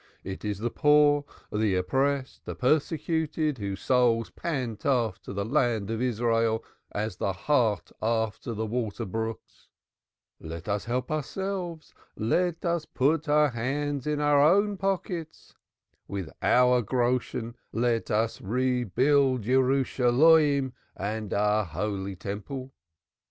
It is the poor, the oppressed, the persecuted, whose souls pant after the Land of Israel as the hart after the water brooks. Let us help ourselves. Let us put our hands in our own pockets. With our Groschen let us rebuild Jerusalem and our Holy Temple.